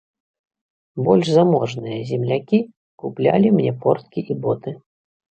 Больш заможныя землякі куплялі мне порткі і боты.